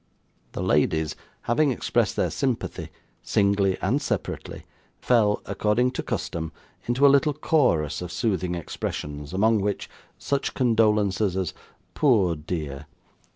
The ladies, having expressed their sympathy, singly and separately, fell, according to custom, into a little chorus of soothing expressions, among which, such condolences as 'Poor dear!